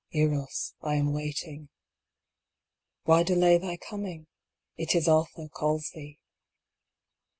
Eros, I am waiting. Why delay thy coming ? It is Atha calls thee.